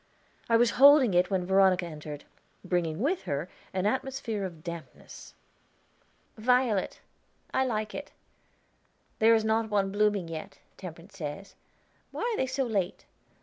I was holding it when Veronica entered, bringing with her an atmosphere of dampness. "Violet! I like it. There is not one blooming yet, Temperance says. Why are they so late?